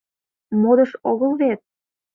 Модыш огыл вет!